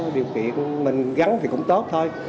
điều kiện mình gắn thì cũng tốt thôi